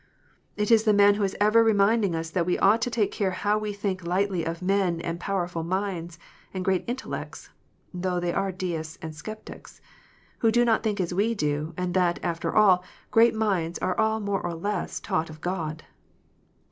It is the man who is ever reminding us that we ought to take care how we think lightly of men of powerful minds, and great intellects (though they are Deists and sceptics), who do not think as we do, and that, after all, "great minds are all more or less taught of God